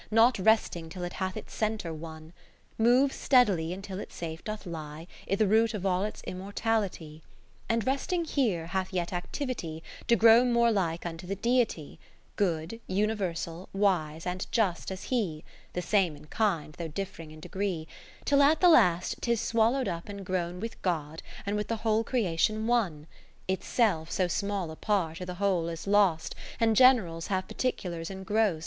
Not resting till it hath its centre won ; Moves steadily until it safe doth lie r th' root of all its immortality ; 60 And resting here hath yet activity To grow more like unto the Deity ; Good, Universal, Wise, and Just as he, (The same in kind, though diff'ring in degree) Till at the last 'tis swallowed up and grown With God and with the whole Crea tion one ; Itself, so small a part, i' th' Whole is lost. And generals have particulars en grost.